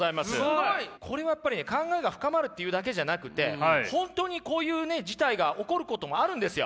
これはやっぱりね考えが深まるっていうだけじゃなくて本当にこういう事態が起こることもあるんですよ。